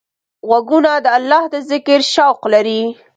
غوږونه د الله د ذکر شوق لري